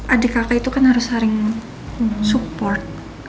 adik kakak itu kan harus saling support